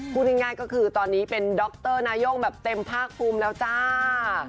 พูดง่ายก็คือตอนนี้เป็นดรนายกแบบเต็มภาคภูมิแล้วจ้า